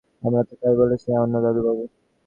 আমরা তো তাই বলিতেছি- অন্নদাবাবু।